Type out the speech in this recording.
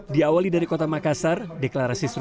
diawali dari kota makassar